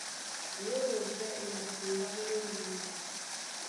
Nyólo pɛ́ e matimbá ndé mbimba.